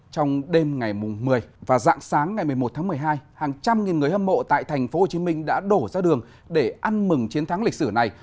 trong đêm ngày một mươi và dạng sáng ngày một mươi một tháng một mươi hai hàng trăm nghìn người hâm mộ tại tp hcm đã đổ ra đường để ăn mừng chiến thắng lịch sử này